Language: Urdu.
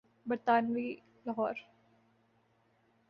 برطانوی لاہور۔